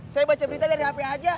saya baca berita dari hp aja